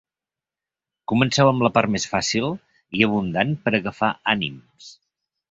Comenceu amb la part més fàcil i abundant per agafar ànims.